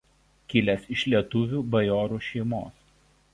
Kilęs iš lietuvių bajorų šeimos.